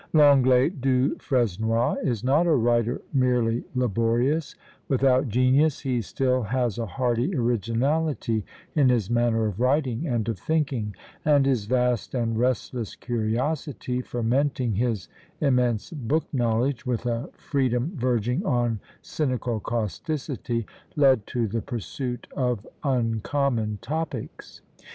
Lenglet du Fresnoy is not a writer merely laborious; without genius, he still has a hardy originality in his manner of writing and of thinking; and his vast and restless curiosity fermenting his immense book knowledge, with a freedom verging on cynical causticity, led to the pursuit of uncommon topics.